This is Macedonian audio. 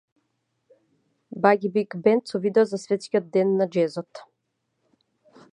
Баги Биг Бенд со видео за Светскиот ден на џезот